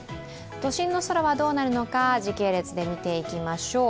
都心の空はどうなるのか時系列で見ていきましょう。